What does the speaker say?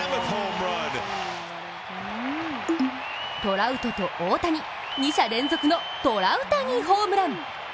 トラウトと大谷、２者連続のトラウタニホームラン！